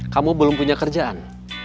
kamu belum punya kerjaan